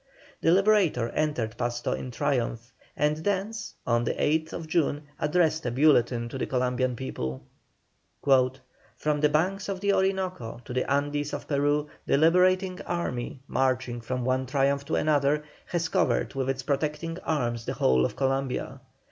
The Liberator entered Pasto in triumph, and thence, on the 8th June, addressed a bulletin to the Columbian people: "From the banks of the Orinoco to the Andes of Peru the liberating army, marching from one triumph to another, has covered with its protecting arms the whole of Columbia.